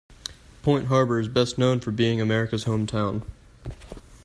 Point Harbor is best known for being America's Home Town.